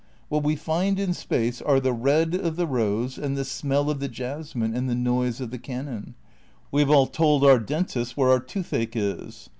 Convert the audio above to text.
What we find in space are the red of the rose and the smell of the jasmine and the noise of the cannon. We have all told our dentists where our toothache is.